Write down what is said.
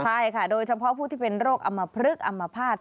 ใช่ค่ะโดยเฉพาะผู้ที่เป็นโรคอมพลึกอำมภาษณ์